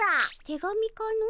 手紙かの？